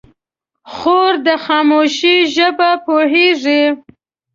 خور د خاموشۍ ژبه پوهېږي.